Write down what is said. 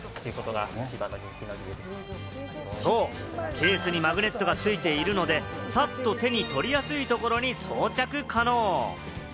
ケースにマグネットが付いているので、さっと手に取りやすいところに装着可能。